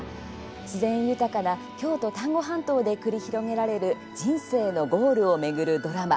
自然豊かな京都、丹後半島で繰り広げられる人生のゴールを巡るドラマ